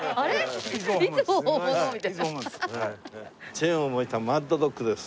チェーンを巻いたマッドドッグです。